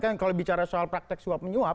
kan kalau bicara soal praktek suap menyuap